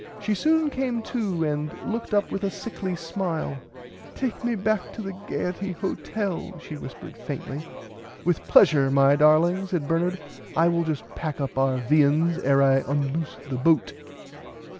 "She soon came to and looked up with a sickly smile. Take me back to the 'Gaierty' Hotel she whispered faintly. With pleasure my darling said Bernard I will just pack up our viands ere I unloose the boat.